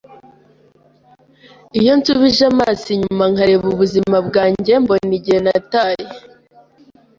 Iyo nsubije amaso inyuma nkareba ubuzima bwanjye, mbona igihe nataye.